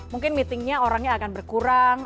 mungkin meetingnya orangnya akan berkurang